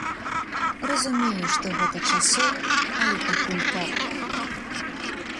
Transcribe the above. Разумею, што гэта часова, але пакуль так.